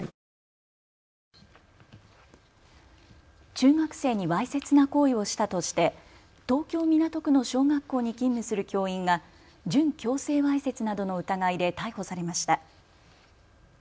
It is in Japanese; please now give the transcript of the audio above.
中学生にわいせつな行為をしたとして東京港区の小学校に勤務する教員が準強制わいせつなどの疑いで逮捕されました。